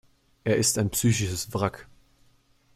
Er ist ein psychisches Wrack.